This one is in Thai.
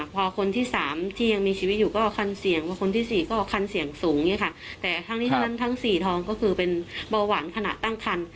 พอคนที่สามที่ยังมีชีวิตอยู่ก็คันเสี่ยงพอคนที่สี่ก็คันเสี่ยงสูงเนี่ยค่ะแต่ทั้งนี้ทั้งนั้นทั้งสี่ทองก็คือเป็นเบาหวานขณะตั้งคัน